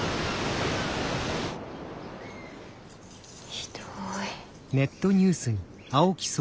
ひどい。